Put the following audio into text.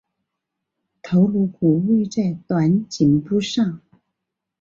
头颅骨位在短颈部上。